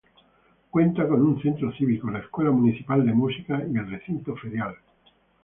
Cuenta con un centro cívico, la Escuela Municipal de Música y el recinto ferial.